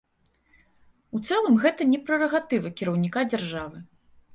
У цэлым гэта не прэрагатыва кіраўніка дзяржавы.